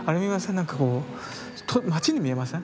何かこう町に見えません？